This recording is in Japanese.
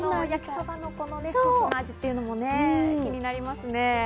焼きそばのね、ソースの味も気になりますね。